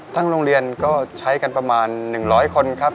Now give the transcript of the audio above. โรงเรียนก็ใช้กันประมาณ๑๐๐คนครับ